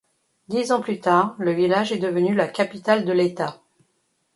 Dix ans plus tard, le village est devenu la capitale de l'État.